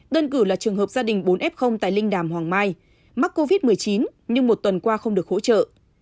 đơn cử là trường hợp gia đình bốn f tại linh đàm hoàng mai mắc covid một mươi chín nhưng một tuần qua không được hỗ trợ